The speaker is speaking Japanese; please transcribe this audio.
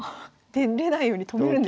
出ないように止めるんですね。